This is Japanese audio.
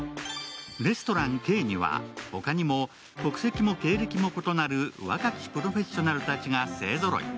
レストラン・Ｋには他にも国籍も経歴も異なる若きプロフェッショナルたちが勢ぞろい。